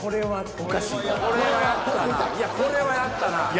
いやこれはやったな。